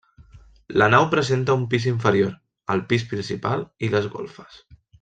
La nau presenta un pis inferior, el pis principal i les golfes.